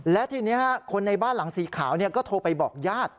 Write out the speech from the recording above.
และทีนี้คนในบ้านหลังสีขาวก็โทรไปบอกญาติ